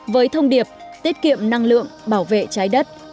với thông điệp tiết kiệm năng lượng bảo vệ trái đất